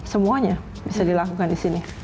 semuanya bisa dilakukan di sini